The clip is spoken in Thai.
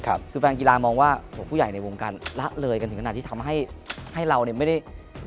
คือแฟนกีฬามองว่าผู้ใหญ่ในวงการละเลยกันถึงขนาดที่ทำให้เราไม่ได้เปิดเพลงชาติ